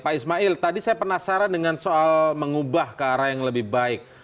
pak ismail tadi saya penasaran dengan soal mengubah ke arah yang lebih baik